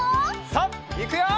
さあいくよ！